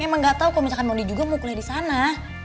emang enggak tahu kok misalkan moni juga mau kuliah di sana